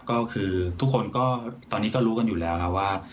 ก็คือทุกคนก็ตอนนี้ก็รู้กันอยู่แล้วนะว่า